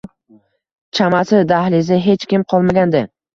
Chamasi, dahlizda hech kim qolmagandi